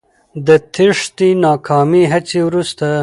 د تېښتې ناکامې هڅې وروسته